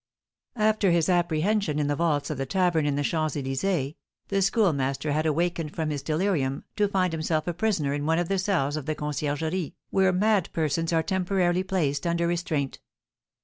After his apprehension in the vaults of the tavern in the Champs Elysées, the Schoolmaster had awakened from his delirium to find himself a prisoner in one of the cells of the Conciergerie, where mad persons are temporarily placed under restraint.